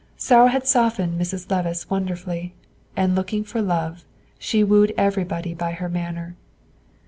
Sorrow had softened Mrs. Levice wonderfully; and looking for love, she wooed everybody by her manner.